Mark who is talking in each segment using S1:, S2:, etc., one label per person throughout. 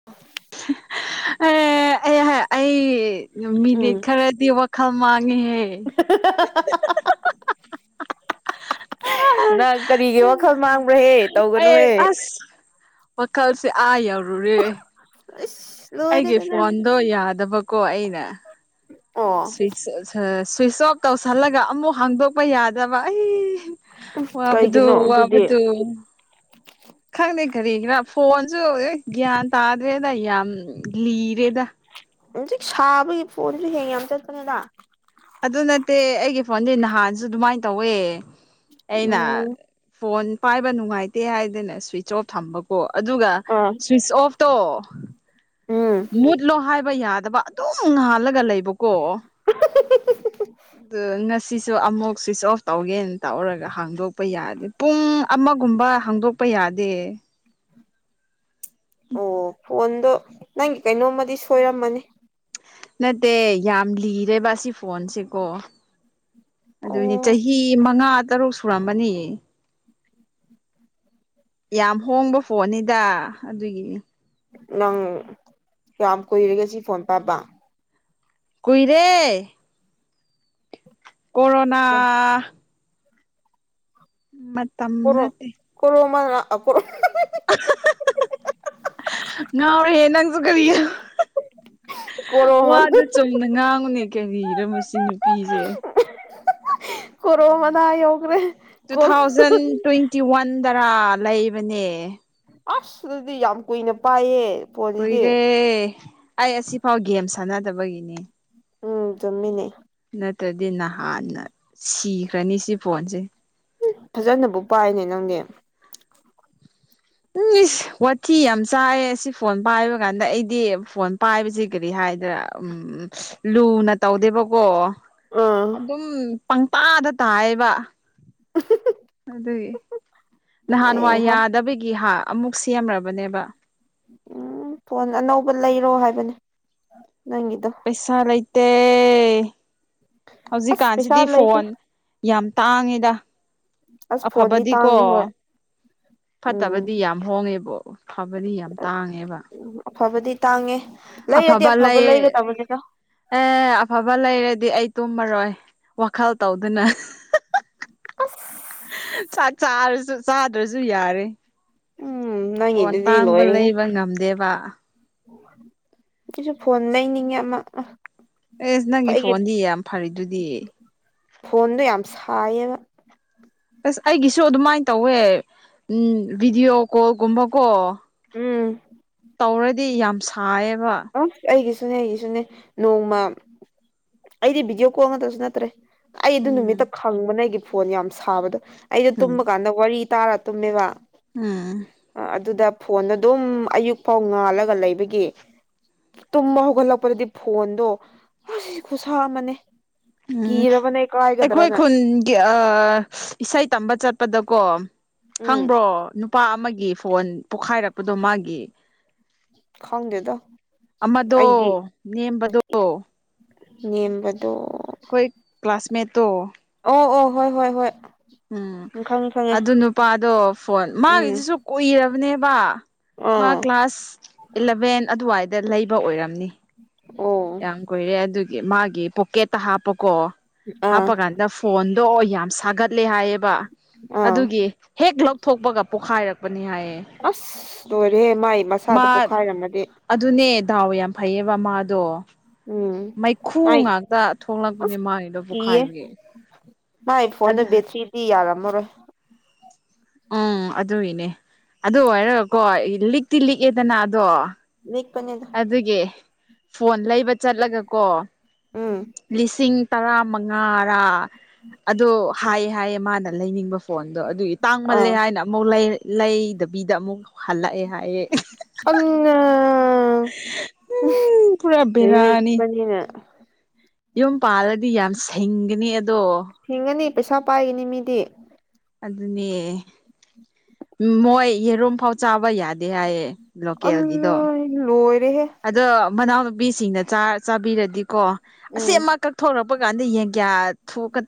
S1: [unintelligible]
S2: ꯑꯦ ꯑꯩ ꯑꯩ ꯌꯨꯝ ꯃꯤꯅꯤꯠ
S1: ꯎꯝ
S2: ꯈꯔꯗꯤ ꯋꯥꯈꯜ ꯃꯥꯡꯉꯦꯍꯦ
S1: [inaudible] ꯅꯪ ꯀꯔꯤꯒꯤ ꯋꯥꯈꯜ ꯃꯥꯡꯕ꯭ꯔꯍꯦ
S2: ꯑꯩ
S1: ꯇꯧꯒꯅꯨꯍꯦ
S2: ꯑꯁ ꯋꯥꯈꯜꯁꯦ ꯑꯥ ꯌꯧꯔꯨꯔꯦ
S1: ꯏꯁ
S2: ꯑꯩꯒꯤ ꯐꯣꯟꯗꯣ ꯌꯥꯗꯕꯀꯣ ꯑꯩꯅ
S1: ꯑꯣ
S2: ꯁ꯭ꯋꯤꯠꯁ ꯑ ꯁ꯭ꯋꯤꯁ ꯑꯣꯐ ꯇꯧꯁꯜꯂꯒ ꯑꯃꯨꯛ ꯍꯥꯡꯗꯣꯛꯄ ꯌꯥꯗꯕ ꯑꯩ ꯋꯥꯕꯗꯨ
S1: ꯀꯩꯒꯤꯅꯣ ꯑꯗꯨꯗꯤ
S2: ꯋꯥꯕꯗꯨ ꯈꯪꯗꯦ ꯀꯔꯤꯒꯤꯔꯥ ꯐꯣꯟꯁꯨ ꯍ ꯒ꯭ꯌꯥꯟ ꯇꯥꯗ꯭ꯔꯦꯗ ꯌꯥꯝ ꯂꯤꯔꯦꯗ
S1: ꯍꯨꯖꯤꯛ ꯁꯥꯕꯒꯤ ꯐꯣꯟꯁꯨ ꯍꯦꯡ ꯌꯥꯝ ꯆꯠꯄꯅ‌ꯦꯗꯥ
S2: ꯑꯗꯨ ꯅꯠꯇꯦ ꯑꯩꯒꯤ ꯐꯣꯟꯗꯤ ꯅꯍꯥꯟꯁꯨ ꯑꯗꯨꯃꯥꯏꯟ ꯇꯧꯋꯦ ꯑꯩꯅ
S1: ꯎꯝ
S2: ꯐꯣꯟ ꯄꯥꯏꯕ ꯅꯨꯡꯉꯥꯏꯇꯦ ꯍꯥꯏꯗꯅ ꯁ꯭ꯋꯤꯆ ꯑꯣꯐ ꯊꯝꯕ ꯑꯣ ꯑꯗꯨꯒ
S1: ꯑꯥ
S2: ꯁ꯭ꯋꯤꯁ ꯑꯣꯐꯇꯣ
S1: ꯎꯝ
S2: ꯃꯨꯠꯂꯣ ꯍꯥꯏꯕ ꯌꯥꯗꯕ ꯑꯗꯨꯝ ꯉꯥꯜꯂꯒ ꯂꯩꯕꯀꯣ
S1: [unintelligible]
S2: ꯑꯗꯨ ꯉꯁꯤꯁꯨ ꯑꯃꯨꯛ ꯁ꯭ꯋꯤꯆ ꯑꯣꯐ ꯇꯧꯒꯦꯅ ꯇꯧꯔꯒ ꯍꯥꯡꯗꯣꯛꯄ ꯌꯥꯗꯦ ꯄꯨꯡ ꯑꯃꯒꯨꯝꯕ ꯍꯥꯡꯗꯣꯛꯄ ꯌꯥꯗꯦ
S1: ꯑꯣ ꯐꯣꯟꯗꯣ ꯅꯪꯒꯤ ꯀꯩꯅꯣꯝꯃꯗꯤ ꯁꯣꯏꯔꯝꯃꯅꯤ
S2: ꯅꯠꯇꯦ ꯌꯥꯝ ꯂꯤꯔꯦꯕꯥ ꯁꯤ ꯐꯣꯟꯁꯤꯀꯣ ꯑꯗꯨꯅꯤ
S1: ꯑꯣ
S2: ꯆꯍꯤ ꯃꯉꯥ ꯇꯔꯨꯛ ꯁꯨꯔꯝꯃꯅꯤ ꯌꯥꯝ ꯍꯣꯡꯕ ꯐꯣꯟꯅꯤꯗ ꯑꯗꯨꯒꯤꯅꯤ
S1: ꯅꯪ ꯀꯌꯥꯝ ꯀꯨꯏꯔꯒꯦ ꯁꯤ ꯐꯣꯟ ꯄꯥꯕ
S2: ꯀꯨꯏꯔꯦ ꯀꯣꯔꯣꯅꯥ ꯃꯇꯝ
S1: ꯀꯣꯔꯣ
S2: ꯅꯠꯇꯦ
S1: ꯀꯣꯔꯣ ꯃꯅꯥ [unintelligible]
S2: [unintelligible] ꯉꯥꯎꯔꯦꯍꯦ ꯅꯪꯁꯨ ꯀꯔꯤ
S1: ꯀꯣꯔꯣ ꯃꯅꯥ
S2: ꯋꯥꯗꯨ ꯆꯨꯝꯅ ꯉꯥꯡꯉꯨꯅꯦ ꯀꯔꯤꯔꯥ ꯃꯁꯤ ꯅꯨꯄꯤꯁꯦ
S1: ꯀꯣꯔꯣ ꯃꯅꯥ ꯌꯧꯈ꯭ꯔꯦ ꯀꯣꯔꯣ
S2: ꯇꯨ ꯊꯥꯎꯖꯟ ꯇ꯭ꯋꯦꯟꯇꯤ ꯋꯥꯟꯗꯔꯥ ꯂꯩꯕꯅꯦ
S1: ꯑꯁ ꯑꯗꯨꯗꯤ ꯌꯥꯝ ꯀꯨꯏꯅ ꯄꯥꯏꯌꯦ ꯐꯣꯟꯁꯤꯗꯤ
S2: ꯀꯨꯏꯔꯦ ꯑꯩ ꯑꯁꯤꯐꯥꯎ ꯒꯦꯝ ꯁꯥꯟꯅꯗꯕꯒꯤꯅꯦ
S1: ꯎꯝ ꯆꯝꯃꯤꯅꯦ
S2: ꯅꯠꯇ꯭ꯔꯗꯤ ꯅꯍꯥꯟꯅ ꯁꯤꯈ꯭ꯔꯅꯤ ꯁꯤ ꯐꯣꯟꯁꯦ
S1: ꯐꯖꯅꯕꯨ ꯄꯥꯏꯅꯦ ꯅꯪꯗꯤ
S2: ꯎꯝ ꯏꯁ ꯋꯥꯊꯤ ꯌꯥꯝ ꯆꯥꯏꯑꯦ ꯑꯁꯤ ꯐꯣꯟ ꯄꯥꯏꯕ ꯀꯥꯟꯗ ꯑꯩꯗꯤ ꯐꯣꯟ ꯄꯥꯏꯕꯁꯤ ꯀꯔꯤ ꯍꯥꯏꯗꯨꯢꯔꯥ ꯎꯝ ꯂꯨꯅ ꯇꯧꯗꯦꯕꯀꯣ
S1: ꯑꯥ
S2: ꯑꯗꯨꯝ ꯄꯪꯇꯥꯗ ꯇꯥꯢꯌꯦꯕ ꯑꯗꯨꯗꯤ
S1: ꯑꯦ
S2: ꯅꯍꯥꯟꯋꯥꯏ
S1: ꯍꯥ
S2: ꯌꯥꯗꯕꯒꯤ ꯍꯥ ꯑꯃꯨꯛ ꯁꯦꯝꯂꯕꯅꯦꯕ
S1: ꯎꯝ ꯐꯣꯟ ꯑꯅꯧꯕ ꯂꯩꯔꯣ ꯍꯥꯏꯕꯅꯦ ꯅꯪꯒꯤꯗꯣ
S2: ꯄꯩꯁꯥ ꯂꯩꯇꯦ
S1: ꯑꯁ ꯄꯩꯁꯥ
S2: ꯍꯧꯖꯤꯛꯀꯥꯟꯁꯤꯗꯤ
S1: ꯂꯩꯇꯦ
S2: ꯐꯣꯟ ꯌꯥꯝ ꯇꯥꯡꯉꯤꯗ
S1: ꯑꯁ ꯐꯣꯟꯗꯤ
S2: ꯑꯐꯕꯗꯤꯀꯣ
S1: ꯇꯥꯡꯉꯦ ꯍꯣꯏ
S2: ꯐꯠꯇꯕꯗꯤ
S1: ꯎꯝ
S2: ꯌꯥꯝ ꯍꯣꯡꯉꯦꯕꯣ ꯐꯕꯗꯤ ꯌꯥꯝ ꯇꯥꯡꯉꯦꯕ
S1: ꯑꯐꯕꯗꯤ ꯇꯥꯡꯉꯦ ꯂꯩꯔꯗꯤ ꯑꯐꯕ ꯂꯩꯒꯗꯕꯅꯤꯗ
S2: ꯑꯦ ꯑꯐꯕ ꯂꯩꯔꯗꯤ ꯑꯩ ꯇꯨꯝꯃꯔꯣꯏ ꯋꯥꯈꯜ ꯇꯧꯗꯨꯅ
S1: ꯑꯁ
S2: ꯆꯥꯛ ꯆꯥꯔꯁꯨ ꯆꯥꯗ꯭ꯔꯁꯨ ꯌꯥꯔꯦ
S1: ꯎꯝ
S2: ꯐꯣꯟ
S1: ꯅꯪꯒꯤꯗꯨꯗꯤ
S2: ꯇꯥꯡꯕ ꯂꯩꯕ ꯉꯝꯗꯦꯕ
S1: ꯑꯗꯨꯁꯨ ꯐꯣꯟ ꯂꯩꯅꯤꯡꯉꯦ ꯑꯃ
S2: ꯑꯦꯁ ꯅꯪꯒꯤ
S1: ꯑꯩꯒꯤ
S2: ꯐꯣꯟꯗꯤ ꯌꯥꯝ ꯐꯔꯤꯗꯨꯗꯤ
S1: ꯐꯣꯟꯗꯣ ꯌꯥꯝ ꯁꯥꯏꯌꯦꯕ
S2: ꯑꯁ ꯑꯩꯒꯤꯁꯨ ꯑꯗꯨꯃꯥꯏꯅ ꯇꯧꯋꯦ ꯎꯝ ꯚꯗꯤꯑꯣ ꯀꯣꯜꯒꯨꯝꯕꯀꯣ
S1: ꯎꯝ
S2: ꯇꯧꯔꯗꯤ ꯌꯥꯝ ꯁꯥꯏꯌꯦꯕ
S1: ꯑ ꯑꯩꯒꯤꯁꯨꯅꯦ ꯑꯩꯒꯤꯁꯨꯅꯦ ꯅꯣꯡꯃ ꯑꯩꯗꯤ ꯚꯤꯗꯤꯑꯣ ꯀꯣꯜ ꯉꯥꯛꯇꯁꯨ ꯅꯠꯇ꯭ꯔꯦ ꯑꯩ ꯑꯗꯨ ꯅꯨꯃꯤꯠꯇ
S2: ꯎꯝ
S1: ꯈꯪꯕꯅ ꯑꯩꯒꯤ ꯐꯣꯟ ꯌꯥꯝ ꯁꯥꯕꯗꯣ ꯑꯩꯗꯣ
S2: ꯎꯝ
S1: ꯇꯨꯝꯕ ꯀꯥꯟꯗ ꯋꯥꯔꯤ ꯇꯥꯔ ꯇꯨꯝꯃꯦꯕ
S2: ꯎꯝ
S1: ꯑꯥ ꯑꯗꯨꯗ ꯐꯣꯟꯗ ꯑꯗꯨꯝ ꯑꯌꯨꯛ ꯐꯥꯎ ꯉꯥꯜꯂꯒ ꯂꯩꯕꯒꯤ ꯇꯨꯝꯕ ꯍꯧꯒꯠꯂꯛꯄꯗꯗꯤ ꯐꯣꯟꯗꯣ ꯑꯁ ꯈꯨꯁꯥ ꯑꯃꯅꯦ ꯀꯤꯔꯕꯅꯦ ꯀꯥꯏꯒꯗ꯭ꯔꯅ
S2: ꯑꯥ ꯏꯁꯩ ꯇꯝꯕ ꯆꯠꯄꯗꯀꯣ
S1: ꯎꯝ
S2: ꯈꯪꯕ꯭ꯔꯣ ꯅꯨꯄꯥ ꯑꯃꯒꯤ ꯐꯣꯟ ꯄꯣꯛꯈꯥꯏꯔꯛꯄꯗꯣ ꯃꯥꯒꯤ
S1: ꯈꯪꯗꯦꯗ
S2: ꯑꯃꯗꯣ
S1: ꯑꯩꯗꯤ
S2: ꯅꯦꯝꯕꯗꯣ
S1: ꯅꯦꯝꯕꯗꯣ
S2: ꯑꯩꯈꯣꯏ ꯀ꯭ꯂꯥꯁꯃꯦꯠꯇꯣ
S1: ꯑꯣ ꯑꯣ ꯍꯣꯏ ꯍꯣꯏ ꯍꯣꯏ
S2: ꯎꯝ
S1: ꯈꯪ ꯈꯪꯉꯦ
S2: ꯑꯗꯨ ꯅꯨꯄꯥꯗꯣ ꯐꯣꯟ
S1: ꯎꯝ
S2: ꯃꯥꯒꯤꯗꯨꯁꯨ ꯀꯨꯏꯔꯕꯅꯦꯕ ꯃꯥ
S1: ꯑꯥ
S2: ꯀ꯭ꯂꯥꯁ ꯏꯂꯦꯚꯦꯟ ꯑꯗꯨꯋꯥꯏꯗ ꯂꯩꯕ ꯑꯣꯏꯔꯝꯅꯤ
S1: ꯑꯣ
S2: ꯌꯥꯝ ꯀꯨꯏꯔꯦ ꯑꯗꯨꯒꯤ ꯃꯥꯒꯤ ꯄꯣꯛꯀꯦꯠꯇ ꯍꯥꯞꯄꯀꯣ
S1: ꯑꯥ
S2: ꯍꯥꯞꯄ ꯀꯥꯟꯗ ꯐꯣꯟꯗꯣ ꯑꯣ ꯌꯥꯝ ꯁꯥꯒꯠꯂꯦ ꯍꯥꯏꯌꯦꯕ
S1: ꯑꯥ
S2: ꯑꯗꯨꯒꯤ ꯍꯦꯛ ꯂꯧꯊꯣꯛꯄꯒ ꯄꯣꯛꯈꯥꯏꯔꯛꯄ ꯕꯅꯦ ꯍꯥꯏꯌꯦ
S1: ꯑꯁ ꯂꯣꯏꯔꯦꯍꯦ ꯃꯥꯏ ꯃꯁꯥꯗ
S2: ꯃꯥ
S1: ꯄꯣꯛꯈꯥꯏꯔꯝꯃꯗꯤ
S2: ꯑꯗꯨꯅꯦ ꯗꯥꯎ ꯌꯥꯝ ꯐꯩꯌꯦꯕ ꯃꯥꯗꯣ
S1: ꯎꯝ
S2: ꯃꯩꯈꯨ
S1: ꯃꯥꯏ
S2: ꯉꯥꯛꯇ ꯊꯣꯛꯂꯛꯄꯅꯦ
S1: ꯑꯁ
S2: ꯃꯥꯏꯗꯣ
S1: ꯀꯤꯌꯦ
S2: ꯄꯣꯈꯥꯏꯕꯒꯤ
S1: ꯃꯥꯏ ꯐꯣꯟꯗ ꯕꯦꯇ꯭ꯔꯤꯗꯤ ꯌꯥꯔꯝꯃꯔꯣꯏ
S2: ꯎꯝ ꯑꯗꯨꯒꯤꯅꯦ ꯑꯗꯨ ꯑꯣꯔꯒꯀꯣ ꯂꯤꯛꯇꯤ ꯂꯤꯛꯑꯦꯗꯅ ꯑꯗꯣ
S1: ꯂꯤꯛꯄꯅꯦꯗ
S2: ꯑꯗꯨꯒꯤ ꯐꯣꯟ ꯂꯩꯕ ꯆꯠꯂꯒꯀꯣ
S1: ꯎꯝ
S2: ꯂꯤꯁꯤꯡ ꯇꯔꯥ ꯃꯉꯥꯥꯔꯥ ꯑꯗꯣ ꯍꯥꯏꯌꯦ ꯍꯥꯏꯌꯦ ꯃꯥꯅ ꯂꯩꯅꯤꯡꯕ ꯐꯣꯟꯗꯣ ꯑꯗꯨꯒꯤ ꯇꯥꯡꯃꯜꯂꯦ
S1: ꯑꯥ
S2: ꯍꯥꯏꯅ ꯑꯃꯨꯛ ꯂꯩꯗꯕꯤꯗ ꯑꯃꯨꯛ ꯍꯜꯂꯛꯑꯦ ꯍꯥꯏꯌꯦ
S1: ꯑꯪꯉꯥ
S2: ꯄꯨꯔꯥ ꯕꯦꯔꯥꯅꯤ
S1: ꯂꯤꯛꯄꯅꯤꯅ
S2: ꯌꯨꯝ ꯄꯥꯜꯂꯗꯤ ꯌꯥꯝ ꯁꯤꯡꯒꯅꯤ ꯑꯗꯣ
S1: ꯍꯤꯡꯉꯅꯤ ꯄꯩꯁꯥ ꯄꯥꯏꯒꯅꯤ ꯃꯤꯗꯤ
S2: ꯑꯗꯨꯅꯦ ꯃꯣꯏ ꯌꯦꯔꯨꯝꯐꯥꯎ ꯆꯥꯕ ꯌꯥꯗꯦ ꯍꯥꯏꯌꯦ ꯂꯣꯀꯦꯜꯒꯤꯗꯣ
S1: ꯑꯜꯂꯩ ꯂꯣꯏꯔꯦꯍꯦ
S2: ꯑꯗꯣ ꯃꯅꯥꯎꯅꯨꯄꯤꯁꯤꯡꯅ ꯆꯥ ꯆꯥꯕꯤꯔꯗꯤꯀꯣ ꯑꯁꯤ
S1: ꯎꯝ
S2: ꯑꯃꯈꯛ ꯀꯛꯊꯣꯔꯛꯄ ꯊꯣꯛꯄ ꯀꯥꯟꯗ ꯌꯦꯟ ꯀꯌꯥ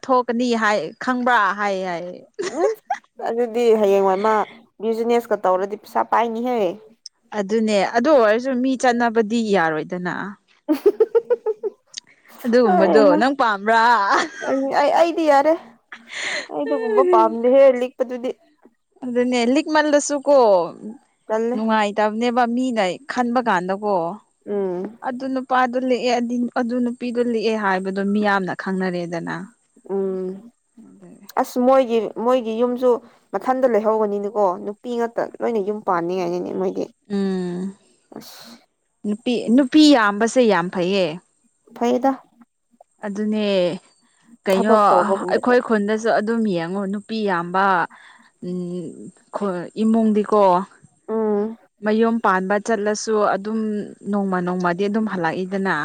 S2: ꯊꯣꯛꯀꯅꯤ ꯍꯥꯏ ꯈꯪꯕ꯭ꯔꯥ ꯍꯥꯏ ꯍꯥꯏꯌꯦ
S1: ꯑꯁ ꯑꯗꯨꯗꯤ ꯍꯌꯦꯡꯋꯥꯏ ꯃꯥ ꯕꯤꯖꯤꯅꯦꯁꯀ ꯇꯧꯔꯗꯤ ꯄꯩꯁꯥ ꯄꯥꯏꯅꯤꯍꯦ
S2: ꯑꯗꯨꯅꯦ ꯑꯗꯨ ꯑꯣꯏꯔꯁꯨ ꯃꯤ ꯆꯠꯅꯕꯗꯤ ꯌꯥꯔꯣꯏꯗꯅ
S1: [inaudible]
S2: ꯑꯗꯨꯒꯨꯝꯕꯗꯣ
S1: ꯍꯩꯍꯥ
S2: ꯅꯪ ꯄꯥꯝꯕ꯭ꯔ
S1: ꯑꯩ ꯑꯩꯗꯤ ꯌꯥꯔꯦ ꯑꯩ ꯑꯗꯨꯒꯒꯨꯝꯕ ꯄꯥꯝꯗꯦꯍꯦ ꯂꯤꯛꯄꯗꯨꯗꯤ
S2: ꯑꯗꯨꯅꯦ ꯂꯤꯛꯃꯜꯂꯁꯨꯀꯣ
S1: ꯇꯜꯂꯦ
S2: ꯅꯨꯡꯉꯥꯏꯇꯕꯅꯦꯕ ꯃꯤꯅ ꯈꯟꯕ ꯀꯥꯟꯗꯀꯣ
S1: ꯎꯝ
S2: ꯑꯗꯨ ꯅꯨꯄꯤ ꯅꯨꯄꯥꯗꯨ ꯂꯤꯛꯑꯦ ꯗꯤ ꯑꯗꯨ ꯅꯨꯄꯤꯗꯨ ꯂꯤꯛꯑꯦ ꯍꯥꯏꯕꯗꯣ ꯃꯤꯌꯥꯝꯅ ꯈꯪꯅꯔꯦꯗꯅ
S1: ꯎꯝ ꯑꯁ ꯃꯣꯏꯒꯤ ꯃꯣꯏꯒꯤ ꯌꯨꯝꯁꯨ ꯃꯊꯟꯇ ꯂꯩꯍꯧꯒꯅꯤꯅꯤꯀꯣ ꯅꯨꯄꯤ ꯉꯥꯛꯇ ꯂꯣꯏꯅ ꯌꯨꯝ ꯄꯥꯟꯅꯤꯡꯉꯥꯏꯅꯤꯅꯦ ꯃꯣꯏꯗꯤ
S2: ꯎꯝ
S1: ꯑꯁ
S2: ꯅꯨꯄꯤ ꯅꯨꯄꯤ ꯌꯥꯝꯕꯁꯦ ꯌꯥꯝ ꯐꯩꯌꯦ
S1: ꯐꯩꯗ
S2: ꯑꯗꯨꯅꯦ ꯀꯩꯅꯣ
S1: ꯊꯕꯛ ꯇꯧꯕꯒꯨꯝꯕꯗ
S2: ꯑꯩꯈꯣꯏ ꯈꯨ ꯈꯨꯟꯗꯁꯨ ꯑꯗꯨꯝ ꯌꯦꯡꯉꯣ ꯅꯨꯄꯤ ꯌꯥꯝꯕ ꯎꯝ ꯈꯣꯏ ꯏꯃꯨꯡꯗꯤꯀꯣ
S1: ꯎꯝ
S2: ꯃꯌꯨꯝ ꯄꯥꯟꯕ ꯆꯠꯂꯁꯨ ꯑꯗꯨꯝ ꯅꯣꯡꯃ ꯅꯣꯡꯃꯗꯤ ꯑꯗꯨꯝ ꯍꯜꯂꯛꯏꯗꯅ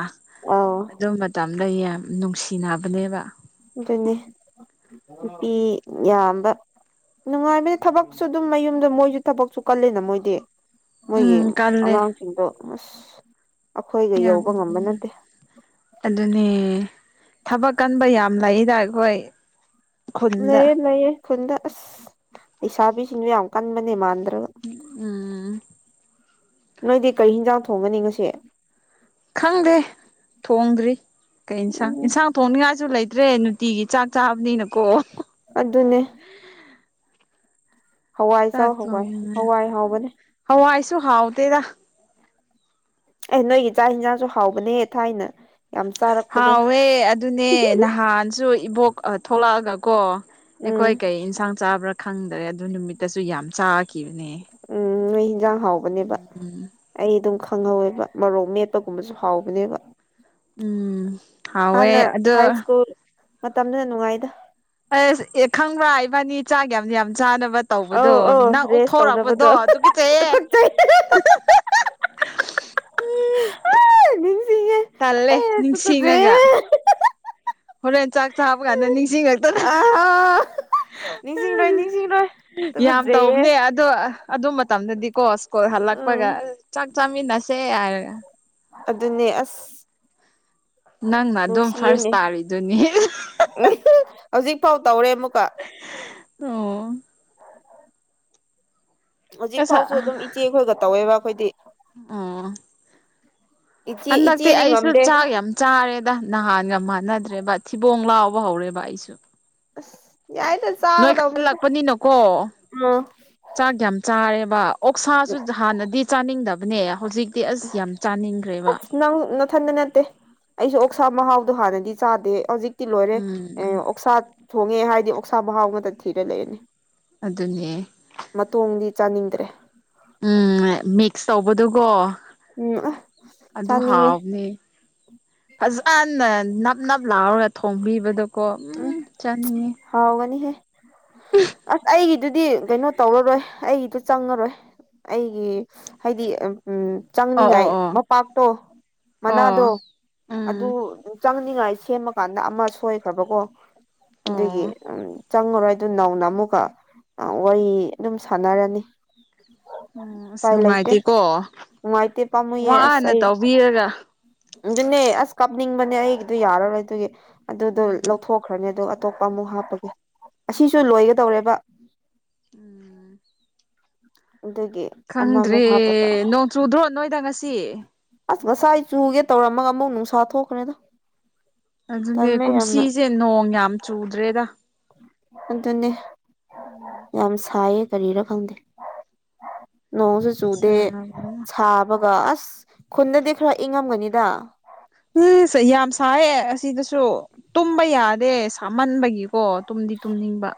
S1: ꯑꯧ
S2: ꯑꯗꯨ ꯃꯇꯝꯗ ꯌꯥꯝ ꯅꯨꯡꯁꯤꯅꯕꯅꯦꯕ
S1: ꯑꯗꯨꯅꯦ ꯅꯨꯄꯤ ꯌꯥꯝꯕ ꯅꯨꯡꯉꯥꯏꯕꯅꯦ ꯊꯕꯛꯁꯨ ꯑꯗꯨꯝ ꯃꯌꯨꯝꯗ ꯃꯣꯏꯖꯨ ꯊꯕꯛꯁꯨ ꯀꯜꯂꯦꯅ ꯃꯣꯏꯗꯤ ꯃꯣꯏꯒꯤ
S2: ꯎꯝ ꯀꯜꯂꯦ
S1: ꯑꯉꯥꯡꯁꯤꯡꯗꯣ ꯑꯁ ꯑꯩꯈꯣꯏꯒ
S2: ꯌꯥꯝ
S1: ꯌꯧꯕ ꯉꯝꯕ ꯅꯠꯇꯦ
S2: ꯑꯗꯨꯅꯦ ꯊꯕꯛ ꯀꯟꯕ ꯌꯥꯝ ꯂꯩꯗ ꯑꯩꯈꯣꯏ ꯈꯨꯟꯗ
S1: ꯂꯩꯌꯦ ꯂꯩꯌꯦ ꯈꯨꯟꯗ ꯑꯁ ꯂꯩꯁꯥꯕꯤꯁꯤꯡꯁꯨ ꯌꯥꯝ ꯀꯟꯕꯅꯦ ꯃꯥꯟꯗ꯭ꯔꯒ
S2: ꯎꯝ
S1: ꯅꯣꯏꯗꯤ ꯀꯔꯤ ꯍꯤꯟꯖꯥꯡ ꯊꯣꯡꯒꯅꯤ ꯉꯁꯤ
S2: ꯈꯪꯗꯦ ꯊꯣꯡꯗ꯭ꯔꯤ ꯀꯩ ꯏꯟꯁꯥꯡ
S1: ꯎꯝ
S2: ꯏꯟꯁꯥꯡ ꯊꯣꯡꯅꯤꯡꯉꯥꯏꯁꯨ ꯂꯩꯇ꯭ꯔꯦ ꯅꯨꯡꯇꯤꯒꯤ ꯆꯥꯛ ꯆꯥꯕꯅꯤꯅꯀꯣ
S1: ꯑꯗꯨꯅꯦ ꯍꯋꯥꯏ ꯆꯥꯎ ꯍꯋꯥꯏ ꯍꯋꯥꯏ ꯍꯥꯎꯕꯅꯦ
S2: ꯍꯋꯥꯥꯏꯁꯨ ꯍꯥꯎꯇꯦꯗ
S1: ꯑꯦ ꯅꯣꯏꯒꯤ ꯆꯥꯥꯛ ꯍꯤꯟꯖꯥꯡꯁꯨ ꯍꯥꯎꯕꯅꯦ ꯊꯥꯏꯅ ꯌꯥꯝ ꯆꯥꯔꯛ
S2: ꯍꯥꯎꯋꯦ ꯑꯗꯨꯅꯦ ꯅꯍꯥꯟꯁꯨ ꯏꯕꯣꯛ ꯑ ꯊꯣꯛꯂꯛꯑꯒ ꯀꯣ ꯑꯩꯈꯣꯏ
S1: ꯎꯝ
S2: ꯀꯩ ꯏꯟꯁꯥꯡ ꯆꯥꯕ꯭ꯔꯥ ꯈꯪꯗ꯭ꯔꯦ ꯑꯗꯨ ꯅꯨꯃꯤꯠꯇꯁꯨ ꯌꯥꯝ ꯆꯥ
S1: ꯎꯝ ꯅꯣꯏ ꯍꯤꯟꯖꯥꯡ ꯍꯥꯎꯕꯅꯦꯕ ꯑꯩ ꯑꯗꯨꯝ ꯈꯪꯍꯧꯋꯦꯕ ꯃꯔꯣꯛ ꯃꯦꯠꯄꯒꯨꯝꯕꯁꯨ ꯍꯥꯎꯕꯅꯦꯕ
S2: ꯎꯝ ꯍꯥꯎꯋꯦ
S1: ꯍꯥꯟꯅ
S2: ꯑꯗꯣ
S1: ꯍꯥꯏ ꯁ꯭ꯀꯨꯜ ꯃꯇꯝꯗꯨꯅ ꯅꯨꯡꯉꯥꯏꯗ
S2: ꯑꯁ ꯑꯦ ꯈꯪꯕ꯭ꯔꯥ ꯏꯕꯥꯅꯤ ꯆꯥꯛ ꯌꯥꯝ ꯌꯥꯝ ꯆꯥꯅꯕ
S1: ꯑꯧ
S2: ꯇꯧꯕꯗꯣ
S1: ꯑꯧ
S2: ꯅꯪ
S1: ꯔꯦꯁ ꯇꯧꯅꯕꯗꯣ
S2: ꯑꯣꯛꯊꯣꯔꯛꯄꯗꯣ ꯇꯨꯀꯠꯆꯩꯌꯦ
S1: ꯇꯨꯀꯠꯆꯩ
S2: ꯎꯝ
S1: ꯅꯤꯡꯁꯤꯡꯉꯦ
S2: ꯇꯜꯂꯦ
S1: ꯑꯩ
S2: ꯅꯤꯡꯁꯤꯡꯉꯒ
S1: ꯇꯨꯀꯠꯆꯩꯌꯦ
S2: ꯍꯣꯔꯦꯟ ꯆꯥꯛ ꯆꯥꯕ ꯀꯥꯟꯗ ꯅꯤꯡꯁꯤꯡꯉꯛ
S1: ꯑ ꯅꯤꯡꯁꯤꯡꯂꯣꯏ ꯅꯤꯡꯁꯤꯡꯂꯣꯏ
S2: ꯌꯥꯝ ꯇꯧꯕꯅꯦ ꯑꯗꯣ ꯑꯗꯨ ꯃꯇꯝꯗꯗꯤꯀꯣ ꯁ꯭ꯀꯨꯜ
S1: ꯎꯝ
S2: ꯍꯜꯂꯛꯄꯒ ꯆꯥꯛ ꯆꯥꯃꯤꯟꯅꯁꯦ ꯍꯥꯏꯔꯒ
S1: ꯑꯗꯨꯅꯦ ꯑꯁ
S2: ꯅꯪꯅ ꯑꯗꯨꯝ ꯐꯔꯁ ꯇꯥꯔꯤꯗꯨꯅꯤ
S1: ꯍꯧꯖꯤꯛꯐꯥꯎ ꯇꯧꯔꯦ ꯑꯃꯨꯛꯀ
S2: ꯑꯣ
S1: [inaudible] ꯍꯧꯖꯤꯛ
S2: ꯑꯁ
S1: ꯐꯥꯎꯁꯨ ꯑꯗꯨꯝ ꯏꯆꯦ ꯈꯣꯏꯒ ꯇꯧꯋꯦꯕ ꯑꯩꯈꯣꯏꯗꯤ
S2: ꯑꯣ
S1: ꯏꯆꯦ
S2: ꯍꯟꯗꯛꯇꯤ
S1: ꯏꯆꯦꯗꯤ
S2: ꯑꯩꯁꯨ
S1: ꯉꯝꯗꯦ
S2: ꯆꯥꯛ ꯌꯥꯝ ꯆꯥꯔꯦꯗ ꯅꯍꯥꯟꯒ ꯃꯥꯟꯅꯗ꯭ꯔꯦꯕ ꯊꯤꯕꯣꯡ ꯂꯥꯎꯕ ꯍꯧꯔꯦꯕ ꯑꯩꯁꯨ
S1: ꯑꯁ ꯌꯥꯏꯗ
S2: ꯅꯣꯏ
S1: ꯆꯥꯒꯗꯕꯅꯤꯗ
S2: ꯈꯜꯂꯛꯄꯅꯤꯅꯀꯣ
S1: ꯎꯝ
S2: ꯆꯥꯛ ꯌꯥꯝ ꯆꯥꯔꯦꯕ ꯑꯣꯛꯁꯥꯁꯨ ꯍꯥꯟꯅꯗꯤ ꯆꯥꯅꯤꯡꯗꯕꯅꯦ ꯍꯧꯖꯤꯛ ꯇꯤ ꯑꯁ ꯌꯥꯝ ꯆꯥꯅꯤꯡꯈ꯭ꯔꯦꯕ
S1: ꯅꯪ ꯅꯠ ꯊꯟꯇ ꯅꯠꯇꯦ ꯑꯩꯁꯨ ꯑꯣꯛꯁꯥ ꯃꯍꯥꯎꯗꯣ ꯍꯥꯟꯅꯗꯤ ꯆꯥꯗꯦ ꯍꯧꯖꯤꯛꯇꯤ ꯂꯣꯏꯔꯦ
S2: ꯎꯝ ꯎꯝ
S1: ꯑꯣꯛꯁꯥ ꯊꯣꯡꯉꯦ ꯍꯥꯏꯗꯤ ꯑꯣꯛꯁꯥ ꯃꯍꯥꯎ ꯈꯛꯇ ꯊꯤꯔ ꯂꯩꯔꯅꯤ
S2: ꯑꯗꯨꯅꯦ
S1: ꯃꯇꯣꯡꯗꯤ ꯆꯥꯅꯤꯡꯗ꯭ꯔꯦ
S2: ꯎꯝ ꯃꯤꯛꯁ ꯇꯧꯕꯗꯨꯀꯣ
S1: ꯎꯝ ꯑ
S2: ꯑꯗꯨ
S1: ꯆꯥꯅꯤꯡꯉꯦ
S2: ꯍꯥꯎꯕꯅꯦ ꯐꯖꯅ ꯅꯞ ꯅꯞ ꯂꯥꯎꯔꯒ ꯊꯣꯡꯕꯤꯕꯗꯀꯣ ꯎꯝ ꯆꯥꯅꯤꯡꯉꯦ
S1: ꯍꯥꯎꯒꯅꯤꯍꯦ ꯑꯁ ꯑꯩꯒꯤꯗꯨꯗꯤ ꯀꯩꯅꯣ ꯇꯧꯔꯔꯣꯏ ꯑꯩꯒꯤꯗꯨ ꯆꯪꯉꯔꯣꯏ ꯑꯩꯒꯤ ꯍꯥꯏꯗꯤ ꯎꯝ
S2: ꯑꯣ
S1: ꯆꯪꯅꯤꯡꯉꯥꯏ
S2: ꯑꯣ ꯑꯣ
S1: ꯃꯄꯥꯛꯇꯣ
S2: ꯑꯣ
S1: ꯃꯅꯥꯗꯣ
S2: ꯎꯝ
S1: ꯑꯗꯨ ꯆꯪꯅꯤꯡꯉꯥꯏ ꯁꯦꯝꯃ ꯀꯥꯟꯗ ꯑꯃ ꯁꯣꯏꯈ꯭ꯔꯕꯀꯣ ꯑꯗꯨꯒꯤ
S2: ꯑꯣ
S1: ꯎꯝ ꯆꯪꯉꯔꯣꯏ ꯑꯗꯨ ꯅꯧꯅ ꯑꯃꯨꯛꯀ ꯋꯥꯔꯤ ꯑꯗꯨꯝ ꯁꯥꯟꯅꯔꯅꯤ
S2: ꯎꯝ ꯑꯁ
S1: ꯎꯄꯥꯏ ꯂꯩꯇꯦ
S2: ꯅꯨꯡꯉꯥꯏꯇꯦꯀꯣ
S1: ꯅꯨꯡꯉꯥꯏꯇꯦ ꯄꯥꯝꯃꯨꯌꯦ ꯑꯁ
S2: ꯋꯥꯅ
S1: ꯑꯩ
S2: ꯇꯧꯕꯤꯔꯒ
S1: ꯑꯗꯨꯅꯦ ꯑꯁ ꯀꯥꯞꯅꯤꯡꯕꯅꯦ ꯑꯩꯒꯤꯗꯨ ꯌꯥꯔꯔꯣꯏ ꯑꯗꯨꯒꯤ ꯑꯗꯨꯗꯣ
S2: ꯎꯝ
S1: ꯂꯧꯊꯣꯛꯈ꯭ꯔꯅꯤ ꯑꯗꯨ ꯑꯇꯣꯞꯄ ꯑꯃꯨꯛ ꯍꯥꯞꯄꯒꯦ ꯑꯁꯤꯁꯨ ꯂꯣꯏꯒꯗꯧꯔꯦꯕ
S2: ꯎꯝ
S1: ꯑꯗꯨꯒꯤ
S2: ꯈꯪꯗ꯭ꯔꯦ
S1: ꯑꯃꯃꯨꯛ ꯍꯥꯞꯄ ꯇꯥꯔꯦ
S2: ꯅꯣꯡ ꯆꯨꯗ꯭ꯔꯣ ꯅꯣꯏꯗ ꯉꯁꯤ
S1: ꯑꯁ ꯉꯁꯥꯏ ꯆꯨꯒꯦ ꯇꯧꯔꯝꯃꯒ ꯑꯃꯨꯛ ꯅꯨꯡꯁꯥ ꯊꯣꯛꯈ꯭ꯔꯦꯗ
S2: ꯑꯗꯨꯅꯦ
S1: ꯇꯜꯂꯦ ꯌꯥꯝꯅ
S2: ꯀꯨꯝꯁꯤꯁꯦ ꯅꯣꯡ ꯌꯥꯝ ꯆꯨꯗ꯭ꯔꯦꯗ
S1: ꯑꯗꯨꯅꯦ
S2: ꯎꯝ
S1: ꯌꯥꯝ ꯁꯥꯏꯌꯦ ꯀꯔꯤꯔꯥ ꯈꯪꯗꯦ ꯅꯣꯡꯁꯨ ꯆꯨꯗꯦ
S2: ꯁꯥꯕꯅ
S1: ꯁꯥ ꯕꯒ ꯑꯁ ꯈꯨꯟꯗꯗꯤ ꯈꯔ ꯏꯪꯉꯝꯒꯅꯤꯗ
S2: ꯏꯁ ꯌꯥꯝ ꯁꯥꯏꯌꯦ ꯑꯁꯤꯗꯁꯨ ꯇꯨꯝꯕ ꯌꯥꯗꯦ ꯁꯥꯃꯟꯕꯒꯤꯀꯣ ꯇꯨꯝꯗꯤ ꯇꯨꯝꯅꯤꯡꯕ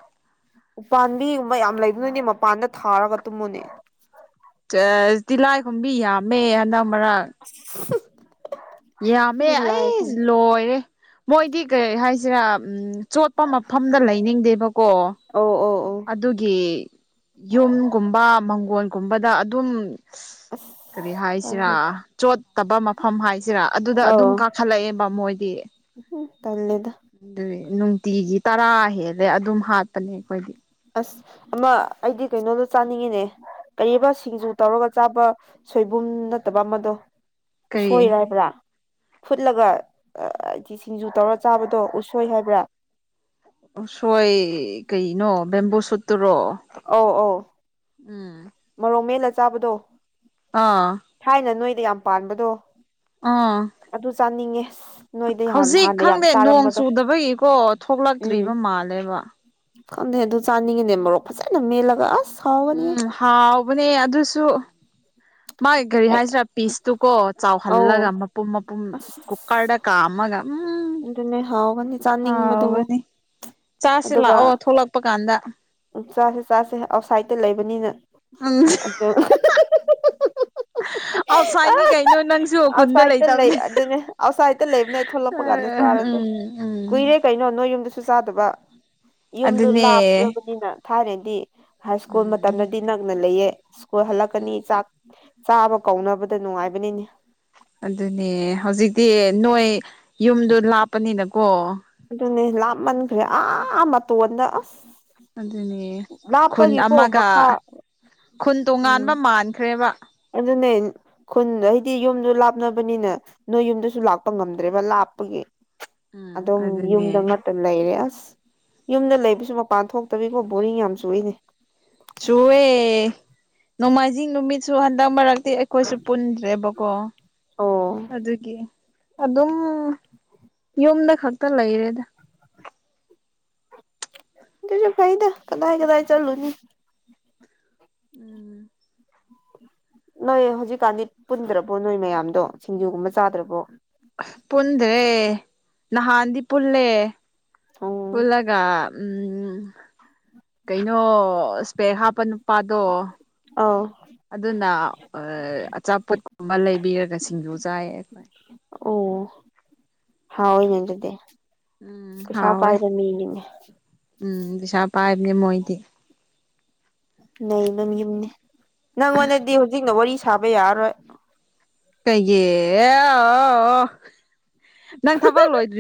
S1: ꯎꯄꯥꯝꯕꯤꯒꯨꯝꯕ ꯌꯥꯝ ꯂꯩꯕ ꯅꯣꯏꯗꯤ ꯃꯄꯥꯟꯗ ꯊꯥꯔꯒ ꯇꯨꯝꯃꯨꯅꯦ
S2: ꯆꯁ ꯇꯤꯜꯍꯥꯏ ꯈꯣꯝꯕꯤ ꯌꯥꯝꯃꯦ ꯍꯟꯗꯛ ꯃꯔꯛ
S1: [unintelligible]
S2: ꯌꯥꯝꯃꯦ
S1: ꯗꯨ ꯂꯥꯏ ꯈꯪ
S2: ꯑꯩꯁ ꯂꯣꯏꯔꯦ ꯃꯣꯏꯗꯤ ꯀꯔꯤ ꯍꯥꯏꯁꯤꯔꯥ ꯎꯝ ꯆꯣꯠꯄ ꯃꯐꯝꯗ ꯂꯩꯅꯤꯡꯗꯦꯕꯀꯣ
S1: ꯑꯧ ꯑꯧ ꯑꯧ
S2: ꯑꯗꯨꯒꯤ ꯌꯨꯝꯒꯨꯝꯕ ꯃꯥꯡꯒꯣꯟꯒꯨꯝꯕꯗ ꯑꯗꯨꯝ ꯀꯔꯤ ꯍꯥꯏꯁꯤꯔꯥ
S1: ꯑꯁ
S2: ꯆꯣꯠꯇꯕ ꯃꯐꯝ ꯍꯥꯏꯁꯤꯔꯥ ꯑꯗꯨꯗ ꯑꯗꯨꯝ
S1: ꯑꯧ
S2: ꯀꯥꯈꯠꯂꯛꯑꯦꯕ ꯃꯣꯏꯗꯤ
S1: ꯎꯝ ꯇꯜꯂꯦꯗ
S2: ꯑꯗꯨꯒꯤ ꯅꯨꯡꯇꯤꯒꯤ ꯇꯔꯥ ꯍꯦꯜꯂꯦ ꯑꯗꯨꯝ ꯍꯥꯠꯄꯅꯦ ꯑꯩꯈꯣꯏꯗꯤ
S1: ꯑꯁ ꯑꯃ ꯑꯩꯗꯤ ꯀꯩꯅꯣꯗꯣ ꯆꯥꯅꯤꯡꯉꯤꯅꯦ ꯀꯔꯤꯕ ꯁꯤꯡꯖꯨ ꯇꯧꯔꯒ ꯆꯥꯕ ꯁꯣꯏꯕꯨꯝ ꯅꯠꯇꯕ ꯑꯃꯗꯣ
S2: ꯀꯔꯤ
S1: ꯎꯁꯣꯏ ꯍꯥꯏꯕ꯭ꯔꯥ ꯐꯨꯠꯂꯒ ꯍꯥꯏꯗꯤ ꯁꯤꯡꯖꯨ ꯇꯧꯔ ꯆꯥꯕꯗꯣ ꯎꯁꯣꯏ ꯍꯥꯏꯕ꯭ꯔꯥ
S2: ꯎꯁꯣꯏ ꯀꯩꯅꯣ ꯕꯦꯝꯕꯨ ꯁꯨꯠꯇꯨꯔꯣ ꯎꯝ
S1: ꯃꯣꯔꯣꯛ ꯃꯦꯠꯂ ꯆꯥꯕꯗꯣ
S2: ꯑꯥ
S1: ꯊꯥꯏꯅ ꯅꯣꯏꯗ ꯌꯥꯝ ꯄꯥꯟꯕꯗꯣ
S2: ꯑꯥ
S1: ꯑꯗꯨ ꯆꯥꯅꯤꯡꯉꯦ ꯅꯣꯏꯗ ꯍꯥꯟ
S2: ꯍꯧꯖꯤꯛ
S1: ꯍꯥꯟꯅ ꯌꯥꯝ
S2: ꯈꯪꯗꯦ ꯅꯣꯡ
S1: ꯆꯥꯔꯝꯕꯗꯣ
S2: ꯆꯨꯗꯕꯒꯤꯀꯣ ꯊꯣ
S1: ꯎꯝ
S2: ꯊꯣꯛꯂꯛꯇ꯭ꯔꯤꯕ ꯃꯥꯜꯂꯦꯕ
S1: ꯈꯪꯗꯦ ꯑꯗꯨ ꯆꯥꯅꯤꯡꯉꯤꯅꯦ ꯃꯣꯔꯣꯛ ꯐꯖꯅ ꯃꯦꯠꯂꯒ ꯑꯁ ꯍꯥꯎꯒꯅꯤꯍꯦ
S2: ꯎꯝ ꯍꯥꯎꯕꯅꯦ ꯑꯗꯨꯁꯨ ꯃꯥꯒꯤ ꯒꯥꯔꯤ ꯍꯥꯏꯁꯤꯔꯥ ꯄꯤꯁꯇꯨꯀꯣ
S1: ꯑꯧ
S2: ꯆꯥꯎꯍꯜꯂꯒ ꯃꯄꯨꯝ ꯃꯄꯨꯝ
S1: ꯑꯁ
S2: ꯀꯨꯀꯔꯗ ꯀꯥꯝꯃꯒ ꯎꯝ
S1: ꯑꯗꯨꯅꯦ ꯍꯥꯎꯒꯅꯤ ꯆꯥꯅꯤꯡꯕꯗꯨꯕꯨ
S2: ꯍꯥꯎꯕꯅꯤ ꯆꯥꯁꯤ ꯂꯥꯛꯑꯣ ꯊꯣꯛꯂꯛꯄꯀꯥꯟꯗ
S1: ꯎꯨ ꯆꯥꯁꯦ ꯆꯥꯁꯦ ꯑꯥꯎꯠꯁꯥꯏꯗꯇ ꯂꯩꯕꯅꯤꯅ
S2: ꯎꯝ
S1: ꯑꯗꯨ [unintelligible]
S2: ꯑꯥꯎꯠꯁꯥꯏꯠꯅꯤ ꯀꯩꯅꯣ ꯅꯪꯁꯨ ꯈꯨꯟꯗ
S1: ꯑꯥꯎꯠꯁꯥꯏꯗꯠꯇ ꯂꯩ
S2: ꯂꯩꯇꯕꯅꯤ
S1: ꯑꯗꯨꯅꯦ ꯑꯥꯎꯠꯁꯥꯏꯗꯠꯇ ꯂꯩꯕꯅꯦ ꯑꯩ ꯊꯣꯛꯂꯛꯄꯀꯥꯟꯗ
S2: ꯎꯝ
S1: ꯆꯥꯔꯁꯦ ꯀꯨꯏꯔꯦ
S2: ꯎꯝ
S1: ꯀꯩꯅꯣ ꯅꯣꯏ ꯌꯨꯝꯗꯨꯁꯨ ꯆꯥꯗꯕ ꯌꯨꯝꯗꯣ
S2: ꯑꯗꯨꯅꯦ
S1: ꯂꯥꯞꯂꯕꯅꯤꯅ ꯊꯥꯔꯦꯗꯤ ꯍꯥꯏ ꯁ꯭ꯀꯨꯜ
S2: ꯎꯝ
S1: ꯃꯇꯝꯗꯗꯤ ꯅꯛꯅ ꯂꯩꯌꯦ ꯁ꯭ꯀꯨꯜ ꯍꯜꯂꯛꯀꯅꯤ ꯆꯥꯛ ꯆꯥꯕ ꯀꯧꯅꯕꯗ ꯅꯨꯡꯉꯥꯏꯕꯅꯤꯅꯦ
S2: ꯑꯗꯨꯅꯦ ꯍꯧꯖꯤꯛꯇꯤ ꯅꯣꯏ ꯌꯨꯝꯗꯣ ꯂꯥꯞꯄꯅꯤꯅꯀꯣ
S1: ꯑꯗꯨꯅꯦ ꯂꯥꯞꯃꯟꯈ꯭ꯔꯦ ꯑꯥ ꯃꯇꯣꯟꯗ ꯑꯥꯁ
S2: ꯑꯗꯨꯅꯦ ꯈꯨꯟ ꯑꯃꯒ
S1: ꯃꯈꯥ
S2: ꯈꯨꯟ
S1: ꯎꯝ
S2: ꯇꯣꯉꯥꯟꯕ ꯃꯥꯟꯈ꯭ꯔꯦꯕ
S1: ꯑꯗꯨꯅꯦ ꯈꯨꯟ ꯍꯥꯏꯗꯤ ꯌꯨꯝꯗꯨ ꯂꯥꯞꯅꯕꯅꯤꯅꯥ ꯅꯣꯏ ꯌꯨꯝꯗꯁꯨ ꯂꯥꯛꯄ ꯉꯝꯗ꯭ꯔꯦꯕ ꯂꯥꯞꯄꯒꯤ
S2: ꯎꯝ
S1: ꯑꯗꯨꯝ
S2: ꯑꯗꯨꯅꯦ
S1: ꯌꯨꯝꯗ ꯉꯠ ꯇꯥ ꯂꯩꯔꯦ ꯑꯁ ꯌꯨꯝꯗ ꯂꯩꯕꯁꯨ ꯃꯄꯥꯟ ꯊꯣꯛꯇꯕꯤꯀꯣ ꯕꯣꯔꯤꯡ ꯌꯥꯝ ꯆꯨꯏꯅꯦ
S2: ꯆꯨꯏꯑꯦ ꯅꯣꯡꯃꯥꯏꯖꯤꯡ ꯅꯨꯃꯤꯠꯁꯨ ꯍꯟꯗꯛ ꯃꯔꯛꯇꯤ ꯈꯣꯏꯁꯨ ꯄꯨꯟꯗ꯭ꯔꯦꯕꯀꯣ
S1: ꯑꯣ
S2: ꯑꯗꯨꯒꯤ ꯑꯗꯨꯝ ꯌꯨꯝꯗ ꯈꯛꯇ ꯂꯩꯔꯦꯗ
S1: ꯑꯗꯨꯁꯨ ꯐꯩꯗ ꯀꯗꯥꯏ ꯀꯗꯥꯏ ꯆꯠꯂꯨꯅꯤ
S2: ꯎꯝ
S1: ꯅꯣꯏ ꯍꯧꯖꯤꯛꯀꯥꯟꯗꯤ ꯄꯨꯟꯗ꯭ꯔꯕꯣ ꯅꯣꯏ ꯃꯌꯥꯝꯗꯣ ꯁꯤꯡꯖꯨꯒꯨꯝꯕ ꯆꯥꯗ꯭ꯔꯕꯣ
S2: ꯑꯍ ꯄꯨꯟꯗ꯭ꯔꯦ ꯅꯍꯥꯟꯗꯤ ꯄꯨꯜꯂꯦ
S1: ꯎꯝ
S2: ꯄꯨꯜꯂꯒ ꯎꯝ ꯀꯩꯅꯣ ꯏꯁꯄꯦꯛ ꯍꯥꯞꯄ ꯅꯨꯄꯥꯗꯣ
S1: ꯑꯣ
S2: ꯑꯗꯨꯅ ꯑꯥ ꯑꯆꯥꯄꯣꯠꯀꯨꯝꯕ ꯂꯩꯕꯤꯔꯒ ꯁꯤꯡꯖꯨ ꯆꯥꯏꯌꯦ ꯑꯩꯈꯣꯏ
S1: ꯑꯣ ꯍꯥꯎꯏꯅꯦ ꯑꯗꯨꯗꯤ
S2: ꯎꯝ
S1: ꯄꯩꯁꯥ
S2: ꯍꯥꯎꯋꯦ
S1: ꯄꯥꯏꯕ ꯃꯤꯅꯤꯅꯦ
S2: ꯎꯝ ꯄꯩꯁꯥ ꯄꯥꯏꯕꯅꯦ ꯃꯣꯏꯗꯤ
S1: ꯅꯩꯅꯪ ꯌꯨꯝꯅꯤ ꯅꯪꯉꯣꯟꯗꯗꯤ ꯍꯧꯖꯤꯛꯅ ꯋꯥꯔꯤ ꯁꯥꯕ ꯌꯥꯔꯔꯣꯏ
S2: ꯀꯩꯒꯤ ꯑꯦ ꯅꯪ ꯊꯕꯛ ꯂꯣꯏꯗ꯭ꯔꯤ